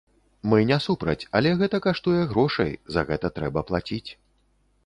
Мы не супраць, але гэта каштуе грошай, за гэта трэба плаціць.